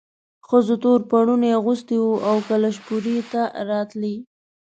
ښځو تور پوړوني اغوستي وو او کلشپورې ته راتلې.